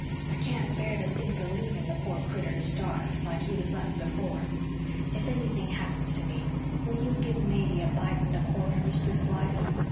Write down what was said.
I can't bear to think of leaving the poor critter to starve, like he was left before. If anything happens to me will you give Matey a bite and a corner, Mistress Blythe?"